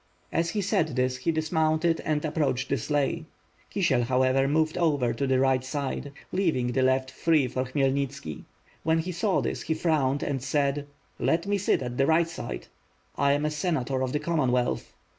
As he said this, he dismounted and approached the sleigh. go5 WITH FIRE AND SWORD. Kisiel, however, moved over to the right side, leaving the left •free for Khmyelnitski. When he saw this he frowned and said: "Let me ait at the right side." "I am a senator of the Commonwealth."